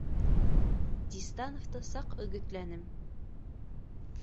Дистановты саҡ өгөтлә нем